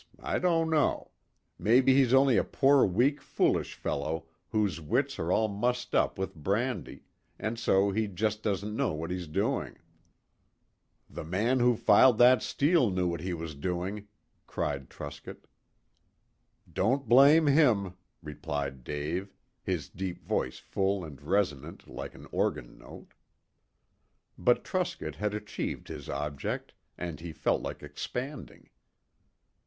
I don't know. Maybe he's only a poor weak foolish fellow whose wits are all mussed up with brandy, and so he just doesn't know what he's doing." "The man who filed that steel knew what he was doing," cried Truscott. "Don't blame him," replied Dave his deep voice full and resonant like an organ note. But Truscott had achieved his object, and he felt like expanding.